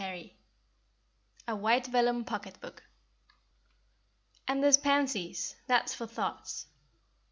CHAPTER XXVI. A WHITE VELLUM POCKET BOOK. "And there's pansies, that's for thoughts."